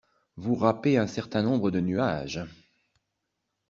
Vous rapez un certain nombre de nuages!